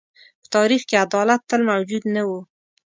په تاریخ کې عدالت تل موجود نه و.